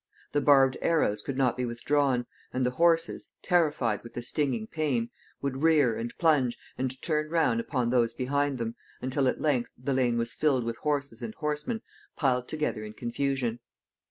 The barbed arrows could not be withdrawn, and the horses, terrified with the stinging pain, would rear, and plunge, and turn round upon those behind them, until at length the lane was filled with horses and horsemen piled together in confusion.